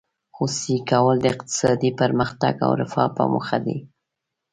خصوصي کول د اقتصادي پرمختګ او رفاه په موخه دي.